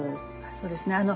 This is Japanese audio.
あそうですね。